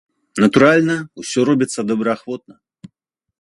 Натуральна, усё робіцца добраахвотна.